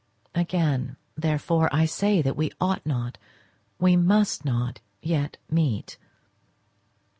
Again, therefore, I say that we ought not, we must not, yet meet.